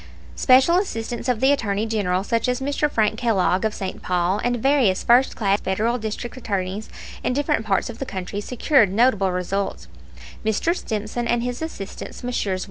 Special assistants of the Attorney General, such as Mr. Frank Kellogg, of St. Paul, and various first class Federal district attorneys in different parts of the country secured notable results: Mr. Stimson and his assistants, Messrs.